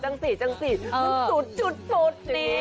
จังสิจังสิสุดจุดปุ๊ด